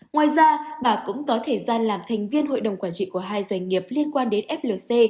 ngoài ra bà cũng có thời gian làm thành viên hội đồng quản trị của hai doanh nghiệp liên quan đến flc